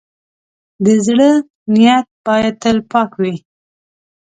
د زړۀ نیت باید تل پاک وي.